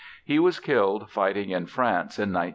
He was killed fighting in France in 1918.